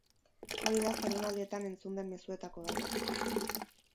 Hori da jardunaldietan entzun den mezuetako bat.